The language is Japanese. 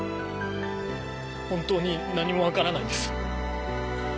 本当に何も分からないんです。